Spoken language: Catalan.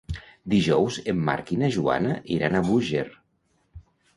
Dijous en Marc i na Joana iran a Búger.